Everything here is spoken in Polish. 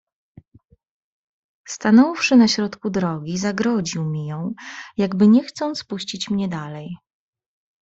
"Stanąwszy na środku drogi, zagrodził mi ją, jakby nie chcąc puścić mię dalej."